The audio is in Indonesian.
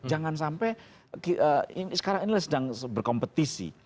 jangan sampai sekarang inilah sedang berkompetisi